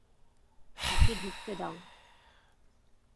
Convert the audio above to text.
তাকে ঢুকতে দাও।